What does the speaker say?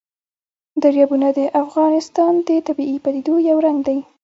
دریابونه د افغانستان د طبیعي پدیدو یو رنګ دی.